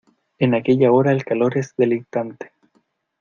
en aquella hora el calor es deleitante.